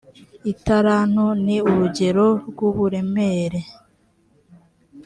italanto ni urugero rw uburemere